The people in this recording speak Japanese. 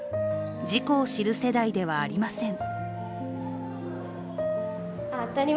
事故を知る世代ではありません。